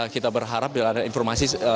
kita berharap bila ada informasi